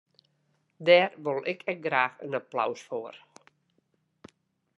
Dêr wol ik ek graach in applaus foar.